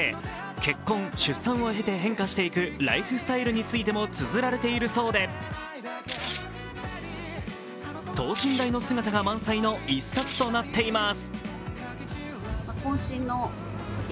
結婚、出産を経て変化していくライフスタイルについてもつづられているそうで等身大の姿が満載の一冊となっています。